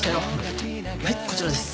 はいこちらです。